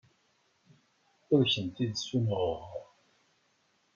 Ur kent-id-ssunuɣeɣ.